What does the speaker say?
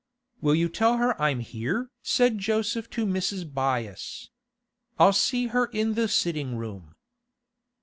'Will you tell her I'm here?' said Joseph to Mrs. Byass. 'I'll see her in the sitting room.